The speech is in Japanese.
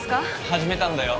始めたんだよ